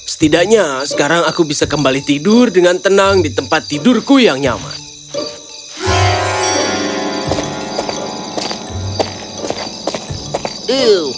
setidaknya sekarang aku bisa kembali tidur dengan tenang di tempat tidurku yang nyaman